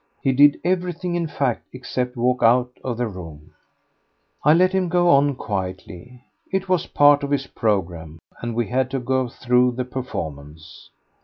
He did everything in fact except walk out of the room. I let him go on quite quietly. It was part of his programme, and we had to go through the performance.